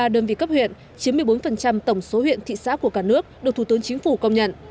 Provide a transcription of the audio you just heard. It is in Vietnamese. chín mươi ba đơn vị cấp huyện chín mươi bốn tổng số huyện thị xã của cả nước được thủ tướng chính phủ công nhận